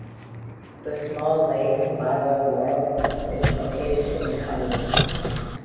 The small lake Lago Moro is located in the commune.